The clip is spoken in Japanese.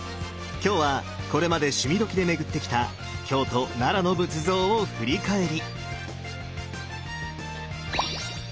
今日はこれまで「趣味どきっ！」で巡ってきた京都・奈良の仏像を振り返り！